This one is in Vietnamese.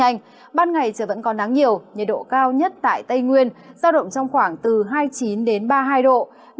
nhiệt độ ngày đêm ra động trong khoảng từ một mươi năm đến hai mươi một độ